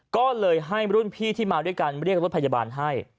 ก็เลยให้รุ่นพี่ที่มาด้วยกันเรียกรถพยาบาลให้